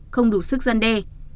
không đủ sức dân đe